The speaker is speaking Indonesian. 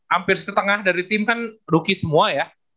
hampir setengah dari tim kan rookie semua ya